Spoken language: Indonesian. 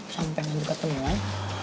sampai nanti ketemuan